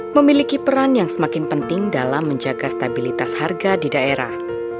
memiliki peran yang semakin penting dalam menjaga stabilitas harga di daerah